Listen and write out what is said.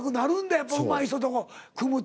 やっぱうまい人と組むと。